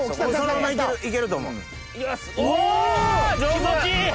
気持ちいい！